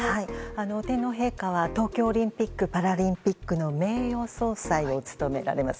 天皇陛下は東京オリンピック・パラリンピックの名誉総裁を務められます。